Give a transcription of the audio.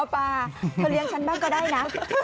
ปลาเธอเลี้ยงฉันบ้างก็ได้นะ